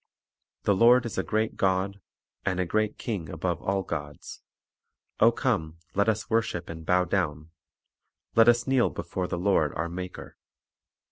3 Vor God's Presence "The Lord is a great God, And a great King above all gods. ... O come, let us worship and bow down; Let us kneel before the Lord our Maker."